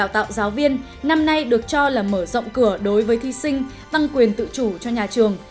tạo giáo viên năm nay được cho là mở rộng cửa đối với thí sinh tăng quyền tự chủ cho nhà trường